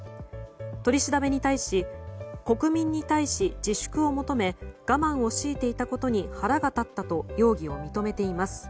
取り調べに対し国民に対し自粛を求め我慢を強いていたことに腹が立ったと容疑を認めています。